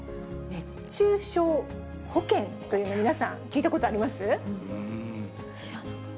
熱中症保険という、皆さん、聞いたことあります？